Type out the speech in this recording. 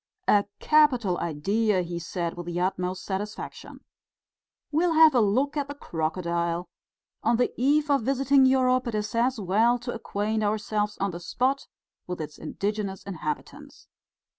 "A capital idea!" he said, with the utmost satisfaction. "We'll have a look at the crocodile! On the eve of visiting Europe it is as well to acquaint ourselves on the spot with its indigenous inhabitants."